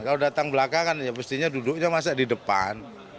kalau datang belakangan ya pastinya duduknya masa di depan